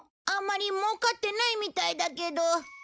あんまりもうかってないみたいだけど。